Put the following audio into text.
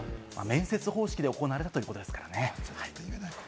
面接方式で行われたということですからね。